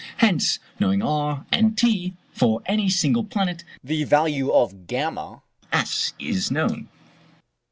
Hence, knowing r and T for any single planet, the value of VS is known.